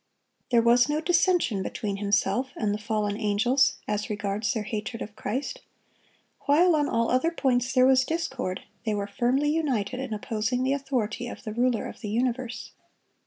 There was no dissension between himself and the fallen angels as regards their hatred of Christ; while on all other points there was discord, they were firmly united in opposing the authority of the Ruler of the universe.